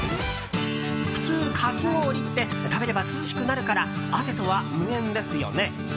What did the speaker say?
普通、かき氷って食べれば涼しくなるから汗とは無縁ですよね？